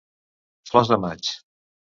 Flors de maig.